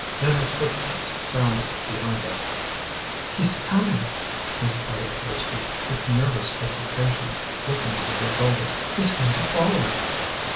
Then his foot steps sounded behind us. "He's coming!" Miss Elliott whispered, with nervous exultation, looking over her shoulder. "He's going to follow."